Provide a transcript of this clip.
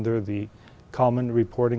để giải quyết vấn đề phát triển